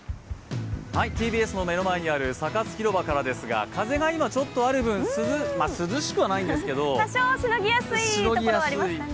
ＴＢＳの目の前にある、サカス広場からですが風が今、ちょっとある分涼しくはないんですけど多少、しのぎやすいことはありますかね。